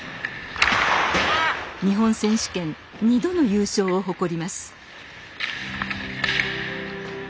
日本選手権２度の優勝を誇ります